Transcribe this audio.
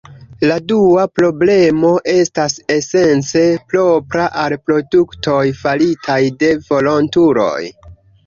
La dua problemo estas esence propra al produktoj faritaj de volontuloj.